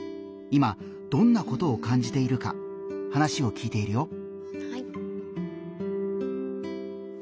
今どんなことを感じているか話を聞いているよ。